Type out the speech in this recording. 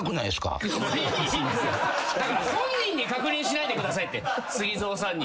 だから本人に確認しないでくださいってＳＵＧＩＺＯさんに。